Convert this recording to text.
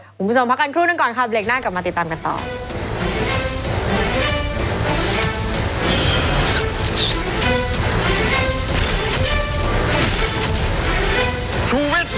คุณผู้ชมพักกันครู่หนึ่งก่อนครับเบรกหน้ากลับมาติดตามกันต่อ